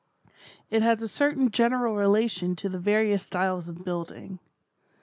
It has a certain general relation to the various styles of building.